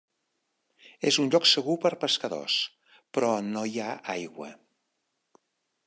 És un lloc segur per pescadors, però no hi ha aigua.